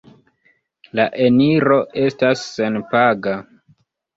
La eniro estas senpaga.